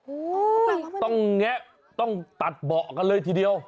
โอ้โหต้องแงะต้องตัดเบาะกันเลยทีเดียว